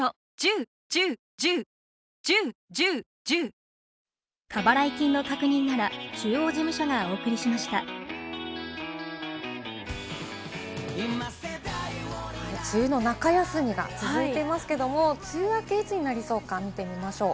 あすは西から雨が降り出す予想で、梅雨の中休みが続いていますけれども、梅雨明け、いつになりそうか見てみましょう。